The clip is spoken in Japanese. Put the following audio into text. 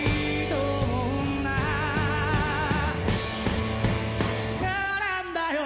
「そうなんだよ」